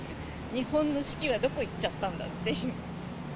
日本の四季はどこ行っちゃったんだっていう。